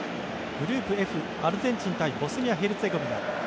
グループＦアルゼンチン対ボスニア・ヘルツェゴビナ。